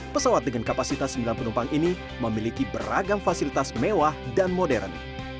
pesawat dengan kapasitas sembilan penumpang ini memiliki beragam fasilitas mewah dan modern